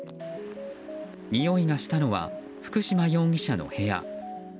においがしたのは福島容疑者の部屋。